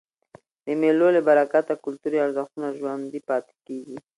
د مېلو له برکته کلتوري ارزښتونه ژوندي پاته کېږي.